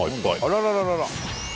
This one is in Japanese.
あららららら！